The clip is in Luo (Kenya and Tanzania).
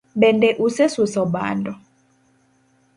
bende usesuso bando?